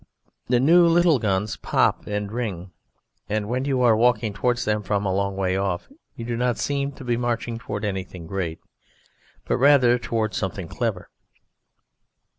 The new little guns pop and ring. And when you are walking towards them from a long way off you do not seem to be marching towards anything great, but rather towards something clever.